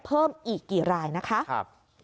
เพิ่มอีกกี่รายนะคะ